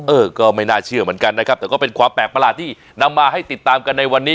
เออก็ไม่น่าเชื่อเหมือนกันนะครับแต่ก็เป็นความแปลกประหลาดที่นำมาให้ติดตามกันในวันนี้